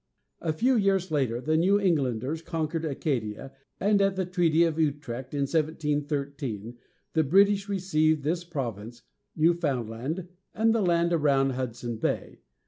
A few years later, the New Englanders conquered Acadia, and at the treaty of U´trecht, in 1713, the British received this province, Newfoundland, and the land around Hudson Bay.